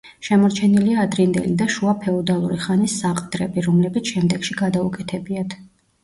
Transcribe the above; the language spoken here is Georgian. შემორჩენილია ადრინდელი და შუა ფეოდალური ხანის საყდრები, რომლებიც შემდეგში გადაუკეთებიათ.